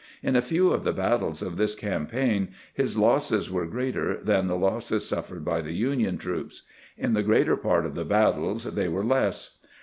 In a few of the battles of this campaign his losses were greater than the losses suffered by the Union troops ; in the greater part of the battles they were less.